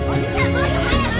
もっと速く！